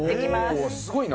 おすごいな。